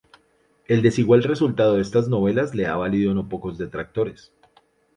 El desigual resultado de estas novelas le ha valido no pocos detractores.